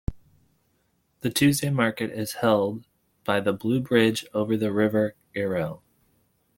The Tuesday market is held by the blue bridge over the River Iro.